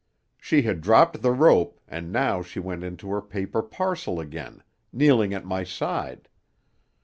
"She had dropped the rope, and now she went into her paper parcel again, kneeling at my side.